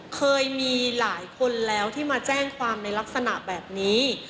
เคยมีหลายคนแล้วที่มาแจ้งความในลักษณะแบบนี้